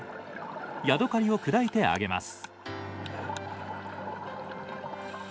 ヤドカリを砕いてあげます。